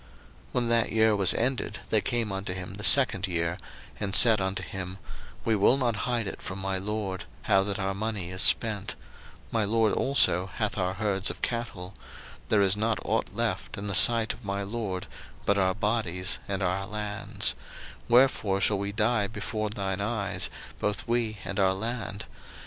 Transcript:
01:047:018 When that year was ended, they came unto him the second year, and said unto him, We will not hide it from my lord, how that our money is spent; my lord also hath our herds of cattle; there is not ought left in the sight of my lord, but our bodies, and our lands: 01:047:019 Wherefore shall we die before thine eyes, both we and our land?